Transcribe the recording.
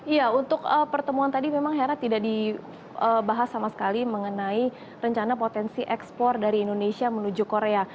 iya untuk pertemuan tadi memang hera tidak dibahas sama sekali mengenai rencana potensi ekspor dari indonesia menuju korea